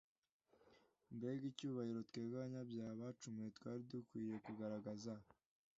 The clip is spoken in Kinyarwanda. mbega icyubahiro twebwe abanyabyaha bacumuye twari dukwiriye kugaragaza